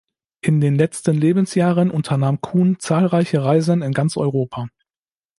In den letzten Lebensjahren unternahm Kuhn zahlreiche Reisen in ganz Europa.